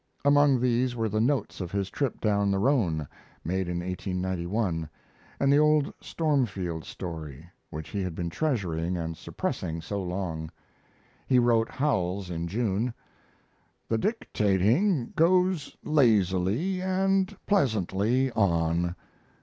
Among these were the notes of his trip down the Rhone, made in 1891, and the old Stormfield story, which he had been treasuring and suppressing so long. He wrote Howells in June: The dictating goes lazily and pleasantly on.